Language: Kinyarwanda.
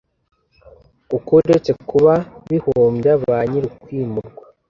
kuko uretse kuba bihombya ba nyir’ukwimurwa